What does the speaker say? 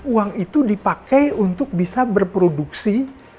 uang itu dipakai untuk bisa berproduksi